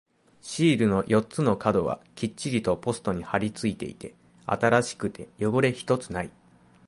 シールの四つの角はきっちりとポストに貼り付いていて、新しくて汚れ一つない。